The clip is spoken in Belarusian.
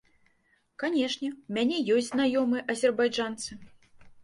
Канечне, у мяне ёсць знаёмыя азербайджанцы.